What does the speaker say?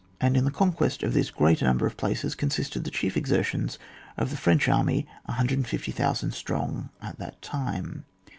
And in the conquest of this great number of places consisted the chief exertions of the French army, 150,000 strong, at that time.